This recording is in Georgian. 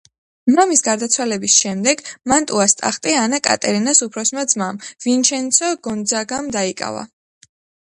მამის გარდაცვალების შემდეგ მანტუას ტახტი ანა კატერინას უფროსმა ძმამ, ვინჩენცო გონძაგამ დაიკავა.